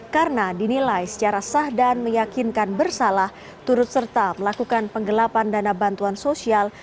karena dinilai secara sah dan meyakinkan bersalah turut serta melakukan penggelapan dana bantuan sosial